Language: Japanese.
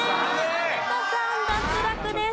有田さん脱落です。